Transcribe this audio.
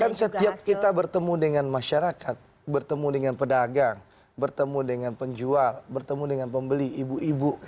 kan setiap kita bertemu dengan masyarakat bertemu dengan pedagang bertemu dengan penjual bertemu dengan pembeli ibu ibu